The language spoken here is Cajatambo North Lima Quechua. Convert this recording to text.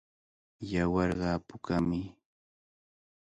Yawarqa pukami.